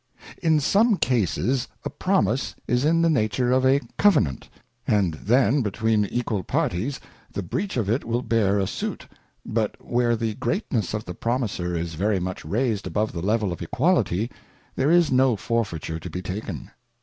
In some cases, a Promise is in the nature of a Covenant, and then between equal parties the breach of it will bear a Suit; but where the greatness of the Promiser is very much raised above the level of equality, there is no Forfeiture to be taken.